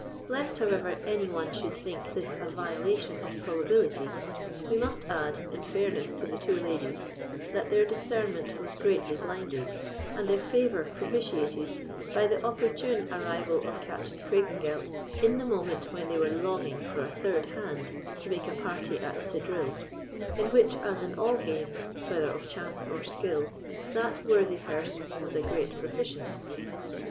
Lest, however, any one should think this a violation of probability, we must add, in fairness to the two ladies, that their discernment was greatly blinded, and their favour propitiated, by the opportune arrival of Captain Craigengelt in the moment when they were longing for a third hand to make a party at tredrille, in which, as in all games, whether of chance or skill, that worthy person was a great proficient.